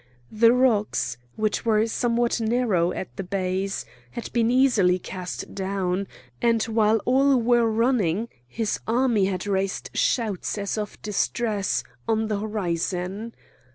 The rocks, which were somewhat narrow at the base, had been easily cast down; and, while all were running, his army had raised shouts, as of distress, on the horizon.